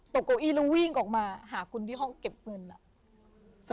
เก้าอี้แล้ววิ่งออกมาหาคุณที่ห้องเก็บเงิน